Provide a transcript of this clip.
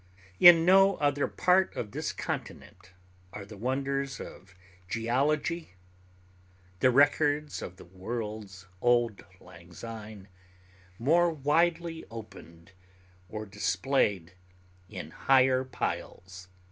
In no other part of this continent are the wonders of geology, the records of the world's auld lang syne, more widely opened, or displayed in higher piles.